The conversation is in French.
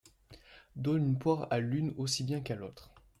Donne une poire à l’une aussi bien qu’à l’autre.